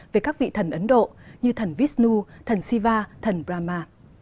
về các vị thần ấn độ như thần vishnu thần shiva thần brahma